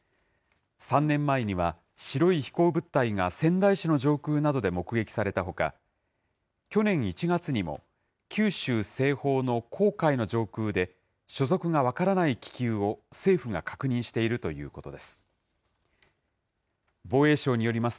３年前には、白い飛行物体が仙台市の上空などで目撃されたほか、去年１月にも、九州西方の公海の上空で、所属が分からない気球を政府が確認しているということです。